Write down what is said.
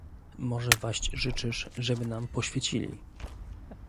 "Może waść życzysz, żeby nam poświecili?"